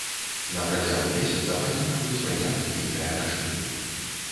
На працягу месяца павінна быць прынята нейкае рашэнне.